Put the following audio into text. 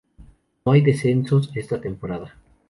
No hay descensos esta temporada.